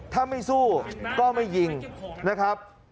ถ้าไม่สู้ก็ไม่ยิงนะครับ